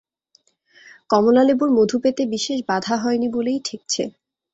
কমলালেবুর মধু পেতে বিশেষ বাধা হয় নি বলেই ঠেকছে।